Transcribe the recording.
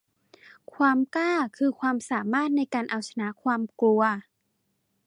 ความกล้าคือความสามารถในการเอาชนะความกลัว